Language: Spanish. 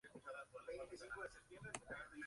Es una de las pocas especies europeas árticas.